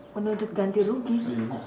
menuntut ganti rugi